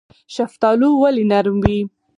شفتالو ولې نرم وي؟